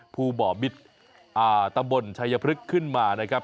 บ่อมิตรตำบลชัยพฤกษ์ขึ้นมานะครับ